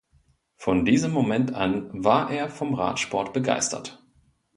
Von diesem Moment an war er vom Radsport begeistert.